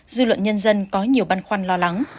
dư luận nhân dân có nhiều băn khoăn lo lắng